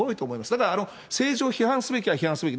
だから政治を批判すべきは批判すべき。